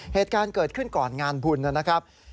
เหตุการณ์เกิดขึ้นก่อนงานบุญนะครับ